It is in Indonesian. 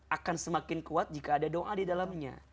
akan semakin kuat jika ada doa di dalamnya